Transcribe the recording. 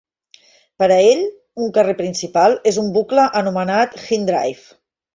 Per a ell, un carrer principal és un bucle anomenat Hind Drive.